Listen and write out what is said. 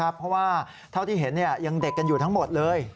เพราะว่าเท่าที่เห็นยังเด็กกันอยู่ทั้งหมดเลย